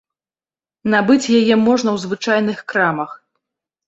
Набыць яе можна ў звычайных крамах.